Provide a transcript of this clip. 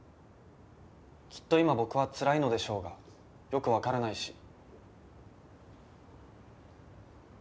きっと今僕はつらいのでしょうがよくわからないし。